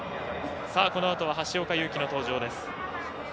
このあとは橋岡優輝の登場です。